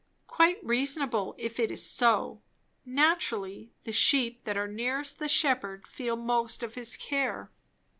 Quite reasonable, if it is so. Naturally, the sheep that are nearest the shepherd, feel most of his care.